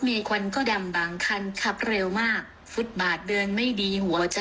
มีควันก็ดำบางคันขับเร็วมากฟุตบาทเดินไม่ดีหัวจะ